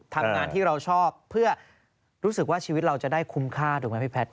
ทำงานที่เราชอบเพื่อรู้สึกว่าชีวิตเราจะได้คุ้มค่าถูกไหมพี่แท็